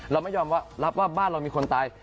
เราไม่ยอมรับว่าบ้านเรามีคนตาย